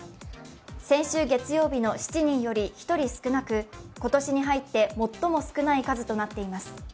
先週月曜日の７人より１人少なく、今年に入って最も少ない数となっています。